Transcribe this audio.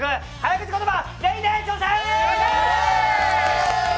口言葉、全員で挑戦！